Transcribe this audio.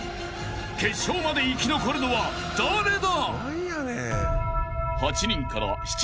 ［決勝まで生き残るのは誰だ！？］